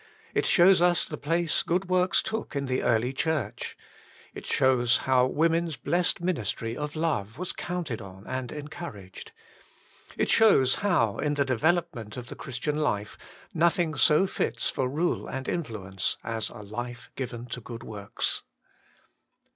It shows us the place good works took in the early Church. It shows how Vv^oman's blessed ministry of love was counted on and encouraged. It shows how. Working for God 93 in the development of the Christian Ufe, nothing so fits for rule and influence as a life given to good works.